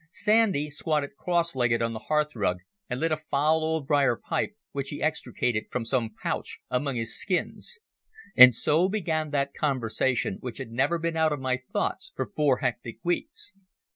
Sandy squatted cross legged on the hearthrug and lit a foul old briar pipe, which he extricated from some pouch among his skins. And so began that conversation which had never been out of my thoughts for four hectic weeks.